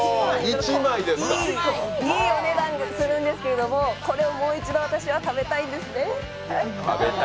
いいお値段するんですけれどもこれをもう一度私は食べたいんですね。